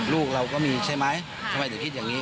ลูกเราก็มีใช่ไหมทำไมถึงคิดอย่างนี้